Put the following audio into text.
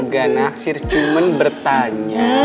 gak naksir cuman bertanya